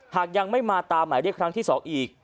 หากยังไม่มาตามหมายเรียกครั้งที่๒อีก